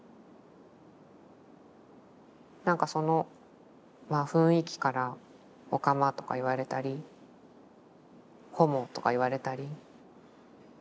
なんかそのまあ雰囲気からオカマとか言われたりホモとか言われたり。